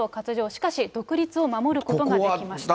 しかし独立を守ることができました。